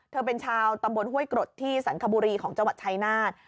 เธอเป็นชาวตำบลห้วยกรดที่สรรคบุรีของจังหวัดชายนาฏ